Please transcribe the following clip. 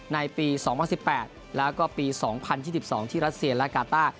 ในปี๒๐๑๘แล้วก็ปี๒๐๒๒ที่รัสเซียและกาต้า